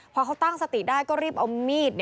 พอเขาตั้งสติได้ก็รีบเอามีด